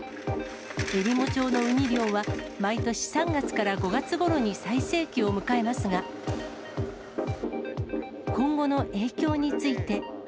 えりも町のウニ漁は、毎年３月から５月ごろに最盛期を迎えますが、今後の影響について。